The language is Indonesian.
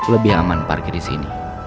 lebih aman parkir disini